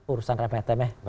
urusan remete meh